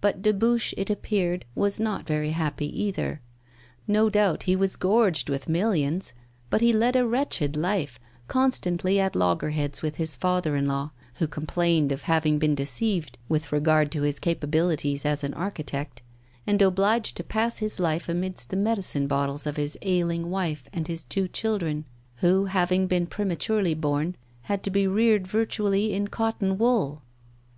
But Dubuche, it appeared, was not very happy either. No doubt he was gorged with millions, but he led a wretched life, constantly at logger heads with his father in law (who complained of having been deceived with regard to his capabilities as an architect), and obliged to pass his life amidst the medicine bottles of his ailing wife and his two children, who, having been prematurely born, had to be reared virtually in cotton wool.